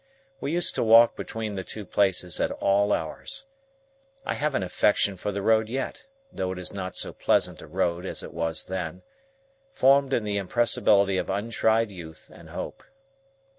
We used to walk between the two places at all hours. I have an affection for the road yet (though it is not so pleasant a road as it was then), formed in the impressibility of untried youth and hope.